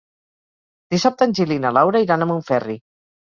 Dissabte en Gil i na Laura iran a Montferri.